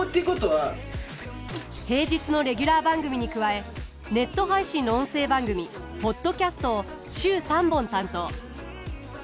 平日のレギュラー番組に加えネット配信の音声番組ポッドキャストを週３本担当。